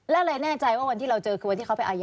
และเลยแน่ใจว่าวันที่เราเจอคือวันที่เขาไปอายา